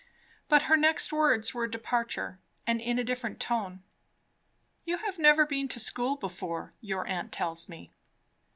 But her next words were a departure, and in a different tone. "You have never been to school before, your aunt tells me?"